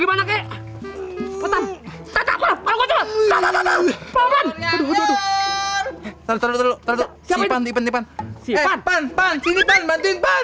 bantuin siapa itu